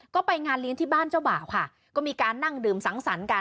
ก็ไปงานเลี้ยงที่บ้านเจ้าบ่าวค่ะก็มีการนั่งดื่มสังสรรค์กัน